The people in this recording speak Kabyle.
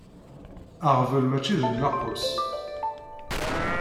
Aɣbel mačči d nnaqus.